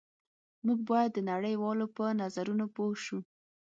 موږ باید د نړۍ والو په نظرونو پوه شو